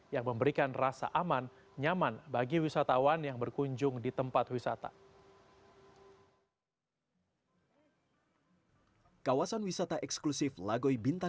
yang memberikan rasa aman nyaman bagi wisatawan yang berkunjung di tempat wisata